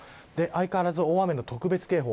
相変わらず大雨の特別警報